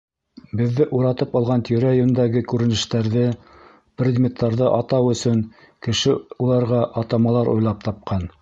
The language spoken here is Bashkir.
Беҙҙе уратып алған тирә-йүндәге күренештәрҙе, предметтарҙы атау өсөн кеше уларға атамалар уйлап тапҡан.